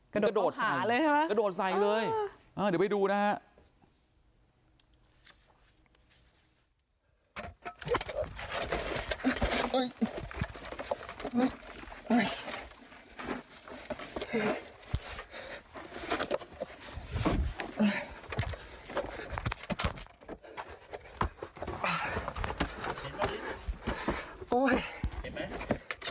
กระโดดขาเลยใช่ไหมกระโดดใส่เลยเดี๋ยวไปดูนะฮะ